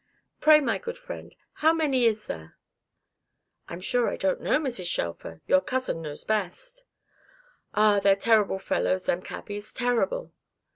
"Pray, my good friend, how many is there?" "I'm sure I don't know, Mrs. Shelfer, your cousin knows best." "Ah, they're terrible fellows them cabbies, terrible!"